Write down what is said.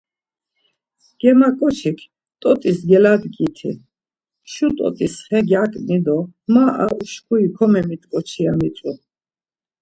Germaǩoçik, “T̆ot̆is geladgiti, şu t̆ot̆is xe gyaǩni do ma ar uşkuri komemit̆ǩoçi” ya mitzu.